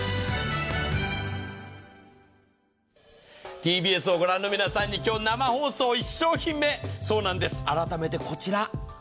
ＴＢＳを御覧の皆さんに今日、生放送１商品目、そうなんです、改めてこちら。